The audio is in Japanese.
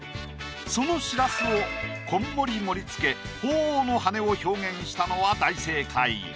そのしらすをこんもり盛り付け鳳凰の羽を表現したのは大正解。